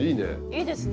いいですね。